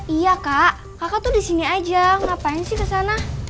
iya kak kakak tuh di sini aja ngapain sih kesana